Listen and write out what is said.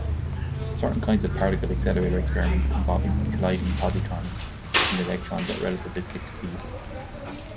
Certain kinds of particle accelerator experiments involve colliding positrons and electrons at relativistic speeds.